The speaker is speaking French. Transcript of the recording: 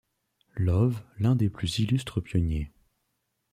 Love l'un des plus illustres pionniers.